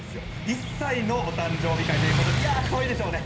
１歳のお誕生日会ということで、かわいいでしょうね。